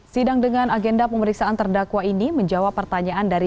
sidang dengan agenda pemeriksaan terdakwa ini menjawab pertanyaan dari